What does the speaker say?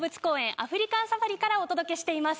アフリカンサファリからお届けしています。